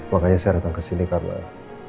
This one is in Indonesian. makanya saya datang kesini karena